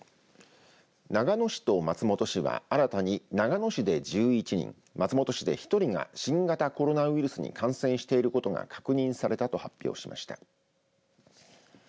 長野市と松本市は新たに長野市で１１人、松本市で１人が新型コロナウイルスに感染していることが確認されたと発表しました。